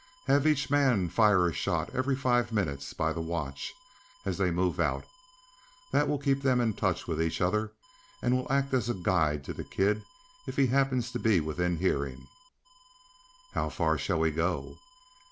Have each man fire a shot every five minutes by the watch as they move out. That will keep them in touch with each other, and will act as a guide to the kid if he happens to be within hearing." "How far shall we go?"